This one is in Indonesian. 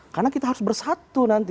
karena kita harus bersatu nanti